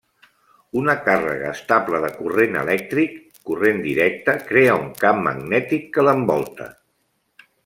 Una càrrega estable de corrent elèctric, corrent directe, crea un camp magnètic que l'envolta.